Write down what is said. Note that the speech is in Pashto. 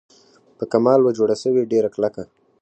په کمال وه جوړه سوې ډېره کلکه